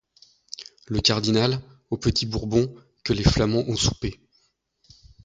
le cardinal, au Petit-Bourbon, que les flamands ont soupé.